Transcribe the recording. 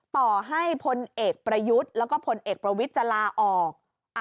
ต่อให้พลเอกประยุทธ์แล้วก็พลเอกประวิทย์จะลาออก